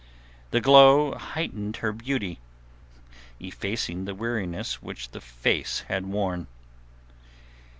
The glow heightened her beauty, effacing the weariness which the face had worn.